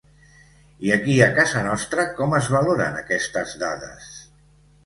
I aquí, a casa nostra, com es valoren aquestes dades?